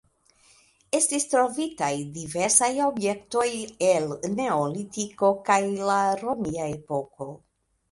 Estis trovitaj diversaj objektoj el neolitiko kaj la romia epoko.